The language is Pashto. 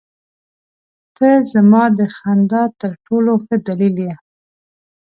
• ته زما د خندا تر ټولو ښه دلیل یې.